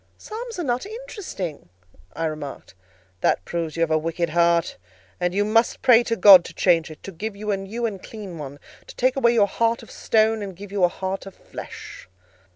"Psalms are not interesting," I remarked. "That proves you have a wicked heart; and you must pray to God to change it: to give you a new and clean one: to take away your heart of stone and give you a heart of flesh."